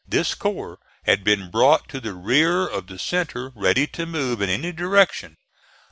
This corps had been brought to the rear of the centre, ready to move in any direction.